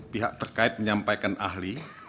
pihak terkait menyampaikan ahli